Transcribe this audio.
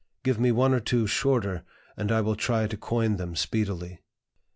Give me one or two shorter, and I will try to coin them speedily."